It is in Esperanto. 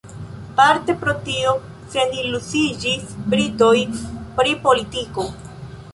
Parte pro tio seniluziiĝis britoj pri politiko.